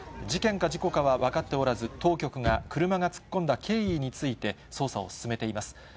事件か事故かは分かっておらず、当局が車が突っ込んだ経緯について、捜査を進めています。